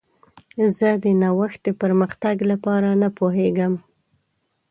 زه د نوښت د پرمختګ لپاره نه پوهیږم.